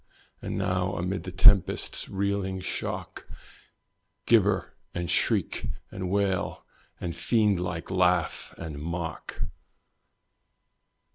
And now amid the tempest's reeling shock, Gibber, and shriek, and wail and fiend like laugh and mock.